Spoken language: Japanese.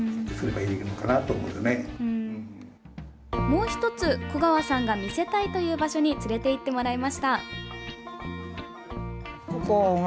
もう１つ粉川さんが見せたいという場所に連れて行ってもらいました。